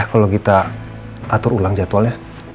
gapapa ya kalo kita atur ulang jadwalnya